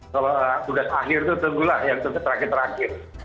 kalau tugas akhir itu tunggulah yang terakhir terakhir